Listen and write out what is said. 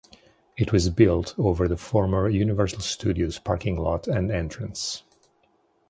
It was built over the former Universal Studios parking lot and entrance.